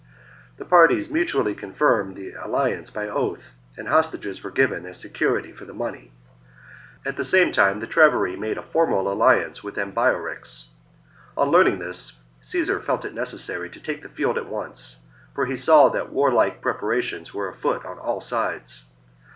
The parties mutually confirmed the alliance by oath, and hostages were given as security for the money ; at the same time the Treveri made a formal alliance with Ambiorix. On learning this, Caesar felt it neces sary to take the field at once, for he saw that warlike preparations were afoot on all sides.